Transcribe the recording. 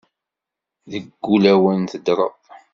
Deg wulawen teddreḍ.